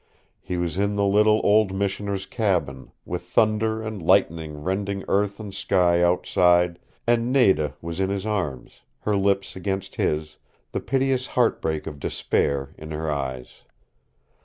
He was in the little old Missioner's cabin, with thunder and lightning rending earth and sky outside and Nada was in his arms, her lips against his, the piteous heartbreak of despair in her eyes.